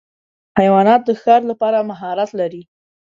حیوانات د ښکار لپاره مهارت لري.